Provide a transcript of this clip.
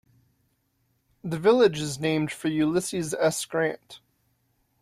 The village is named for Ulysses S. Grant.